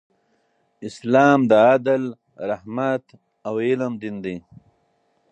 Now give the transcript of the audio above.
اسلام د عدل، رحمت او علم دین دی.